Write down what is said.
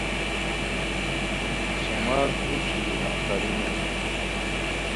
شامار پوشٹی اف ترونییان